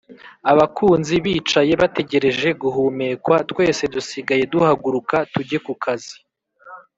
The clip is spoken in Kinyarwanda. “abakunzi bicaye bategereje guhumekwa, twese dusigaye duhaguruka tujye ku kazi.”